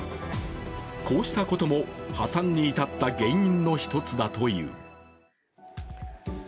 こうしたことも破産に至った原因の一つだという。